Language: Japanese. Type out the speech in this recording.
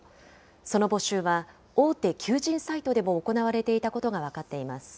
その募集は大手求人サイトでも行われていたことが分かっています。